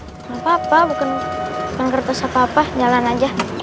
nggak apa apa bukan kertas apa apa jalan aja